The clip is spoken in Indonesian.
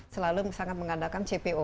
selalu sangat mengandalkan cpo